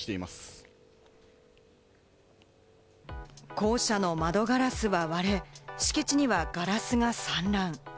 校舎の窓ガラスは割れ、敷地にはガラスが散乱。